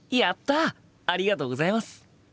ありがとうございます。